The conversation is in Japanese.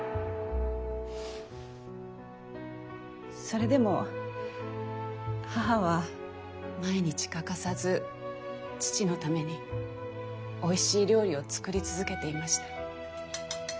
それでも母は毎日欠かさず父のためにおいしい料理を作り続けていました。